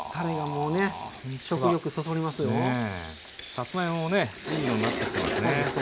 さつまいももねいい色になってきてますね。